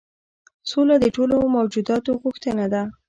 سوله د ټولو موجوداتو غوښتنه ده.